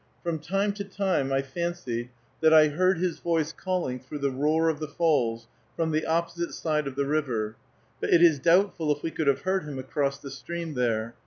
From time to time I fancied that I heard his voice calling through the roar of the falls from the opposite side of the river; but it is doubtful if we could have heard him across the stream there.